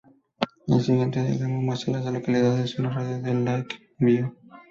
El siguiente diagrama muestra a las localidades en un radio de de Lake View.